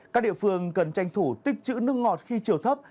các địa phương cần tranh thủ tích chữ nước ngọt khi chiều thấp